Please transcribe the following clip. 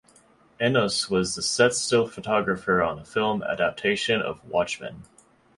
Enos was the set still photographer on the film adaptation of "Watchmen".